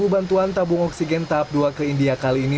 sepuluh bantuan tabung oksigen tahap dua ke india kali ini